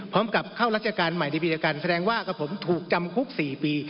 พร้องกับเข้ารัชการฯสแแลกว่ากระผมถูกจำคุก๔ปี